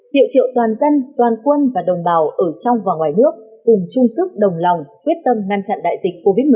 hiệu triệu toàn dân toàn quân và đồng bào ở trong và ngoài nước cùng chung sức đồng lòng quyết tâm ngăn chặn đại dịch covid một mươi chín